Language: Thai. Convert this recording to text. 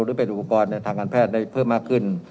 หรือเป็นอุปกรณ์ในทางการแพทย์ได้เพิ่มมากขึ้น